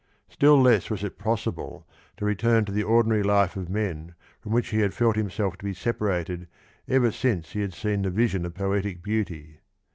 Still less was it possible to return to the ordinary life of men from which he had felt himself to be separated ever since he had seen the vision of poetic beauty.